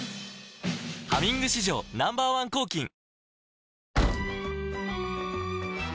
「ハミング」史上Ｎｏ．１抗菌お？